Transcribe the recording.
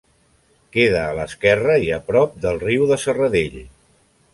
Queda a l'esquerra i a prop del riu de Serradell.